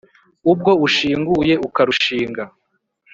Ubwo ushinguye ukarushinga